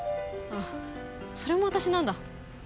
ああそれも私なんだ。